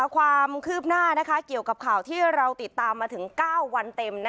ความคืบหน้าเกี่ยวกับข่าวที่เราติดตามมาถึง๙วันเต็ม